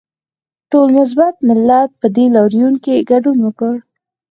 ټول ملت په دې لاریون کې ګډون وکړ